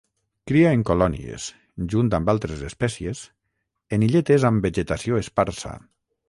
Cria en colònies -junt amb altres espècies- en illetes amb vegetació esparsa.